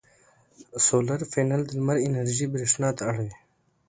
سولر پینل د لمر انرژي برېښنا ته اړوي.